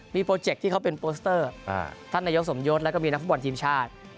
มีโปรเจคที่เขาเป็นโปสเตอร์ท่านนายกสมยศแล้วก็มีนักฟุตบอลทีมชาติ